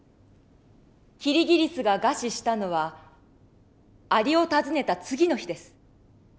キリギリスが餓死したのはアリを訪ねた次の日です。